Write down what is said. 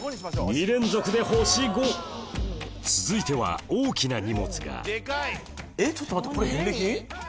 ２連続で星５続いては大きな荷物がちょっと待ってこれ返礼品？